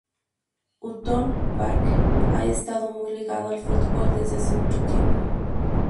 Upton Park ha estado muy ligado al fútbol desde hace tiempo.